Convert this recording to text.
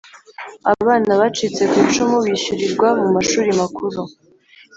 abana bacitse ku icumu bishyurirwa mu mashuri makuru.